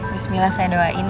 bismillah saya doain